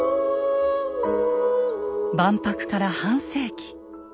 万博から半世紀。